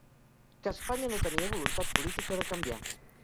Que Espanya no tenia voluntat política de canviar.